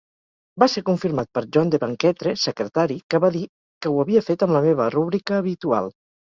Va ser confirmat per John de Banketre, Secretari, que va dir que ho havia fet "amb la meva rúbrica habitual".